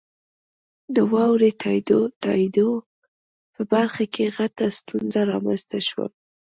د واورئ تائیدو په برخه کې غټه ستونزه رامنځته شوي.